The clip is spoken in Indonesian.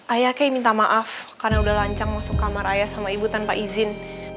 ayah kay minta maaf karena udah lancang masuk kamar ayah sama ibu tanpa izin